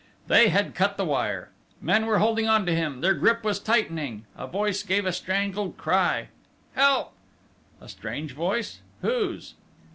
They had cut the wire! Men were holding on to him: their grip was tightening! A voice gave a strangled cry. "Help!" A strange voice! Whose?